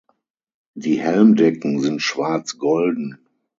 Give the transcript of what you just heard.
Die Helmdecken sind schwarz–golden.